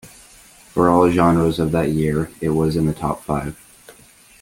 For all genres of that year, it was in the top five.